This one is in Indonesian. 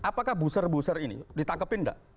apakah busur busur ini ditangkepin nggak